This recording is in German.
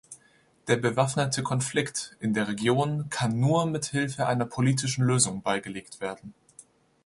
Der bewaffnete Konflikt in der Region kann nur mithilfe einer politischen Lösung beigelegt werden.